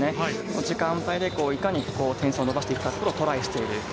時間帯でいかに点差を伸ばしていくのかにトライしている。